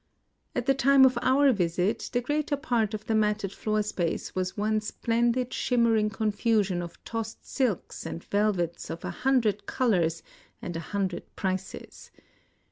At the time of our visit, the greater part of the matted floor space was one splendid shimmer ing confusion of tossed silks and velvets of a hundred colors and a hundred prices.